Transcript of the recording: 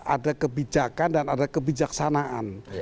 ada kebijakan dan ada kebijaksanaan